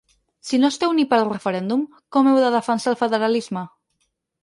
Si no esteu ni pel referèndum, com heu de defensar el federalisme?